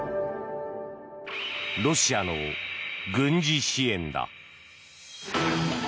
ロシアの軍事支援だ。